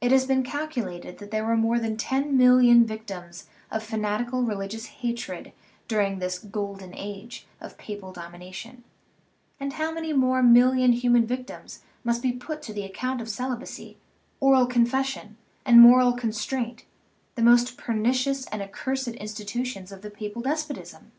It has been calculated that there were more than ten million victims of fa natical religious hatred during this " Golden Age" of papal domination; and how many more million hu man victims must be put to the account of celibacy, oral confession, and moral constraint, the most per nicious and accursed institutions of the papal despot ism!